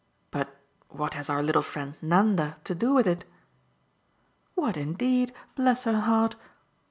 "But what has our little friend Nanda to do with it?" "What indeed, bless her heart?